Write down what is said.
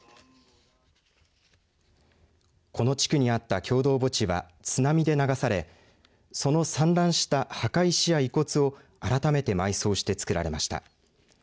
この地区にあった共同墓地は津波で流されその散乱した墓石や遺骨を改めて埋葬してつくられました。